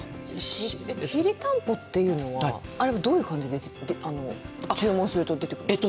きりたんぽというのは、あれはどういう感じで、注文すると出てくるんですか。